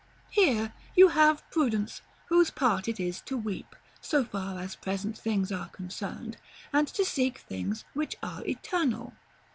Here you have Prudence, whose part it is to weep, so far as present things are concerned, and to seek things which are eternal.